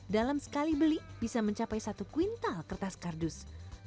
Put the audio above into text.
dalam sekali beli bisa mencapai satu kuintal kertas kardus